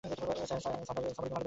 Sir, Sabarimala মন্দিরে যাচ্ছি।